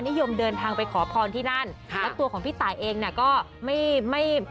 นิยมเดินทางไปขอพรที่นั่นค่ะแล้วตัวของพี่ตายเองเนี่ยก็ไม่ไม่